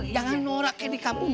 jangan norak yang di kampung